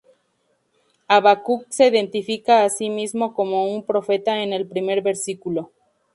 Habacuc se identifica a sí mismo como un profeta en el primer versículo.